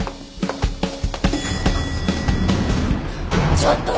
ちょっと！